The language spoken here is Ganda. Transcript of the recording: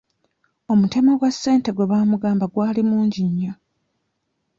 Omutemwa gwa ssente gwe baamugamba gwali mungi nnyo.